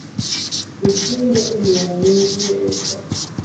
Jochiende oluoro nying Yeso